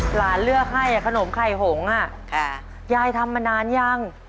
หลานเลือกให้ขนมไข่หงยายทำมานานยัง